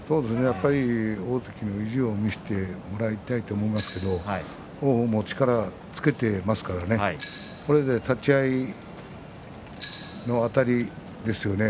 大関の意地を見せてもらいたいと思いますけれども王鵬も力をつけていますからね立ち合いのあたりですよね。